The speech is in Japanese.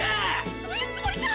そういうつもりじゃ！